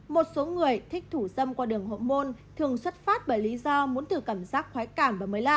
một số người thích thủ dâm qua đường hộ môn thường xuất phát bởi lý do muốn từ cảm giác khoái cảm và mới lạ